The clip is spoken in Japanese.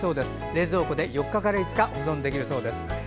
冷蔵庫で４日から５日保存できるそうです。